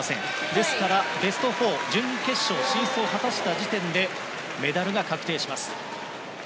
ですから、ベスト４準決勝進出を果たした時点でメダルが確定します。